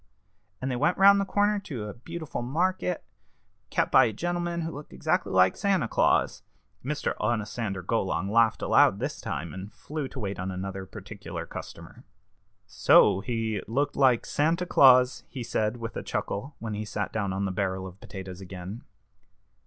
And they went round the corner to a beautiful market, kept by a gentleman who looked exactly like Santa Claus " Mr. Onosander Golong laughed aloud this time, and flew to wait on another particular customer. "So he looked like Santa Claus?" he said, with a chuckle, when he sat down on the barrel of potatoes again.